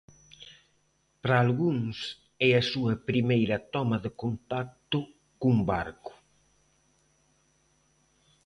Para algúns é a súa primeira toma de contacto cun barco.